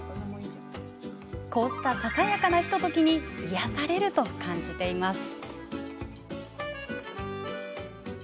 こうした、ささやかなひとときに癒やされると感じています。